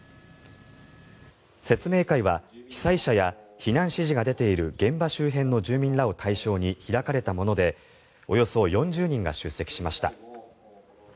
説明会は被災者や避難指示が出ている現場周辺の住民らを対象に開かれたものでおよそ４０人が出席しました。